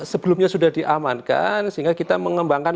sebelumnya sudah diamankan sehingga kita mengembangkan